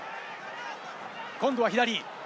今度は左。